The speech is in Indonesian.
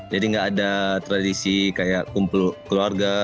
jadi gak ada tradisi kayak kumpul keluarga